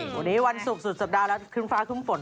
วันนี้วันสุดสุดสัปดาห์แล้วขึ้นฟ้าขึ้นฝน